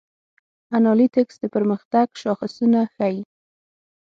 انالیتکس د پرمختګ شاخصونه ښيي.